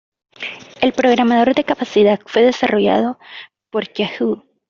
El programador de capacidad fue desarrollado por Yahoo.